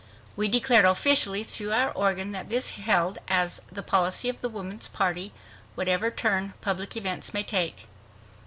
We declared officially through our organ that this held "as the policy of the Woman's Party, whatever turn public events may take."